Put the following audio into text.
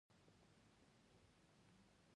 لاخوریږی نیمو شپو کی، دتوفان غاوری چیغی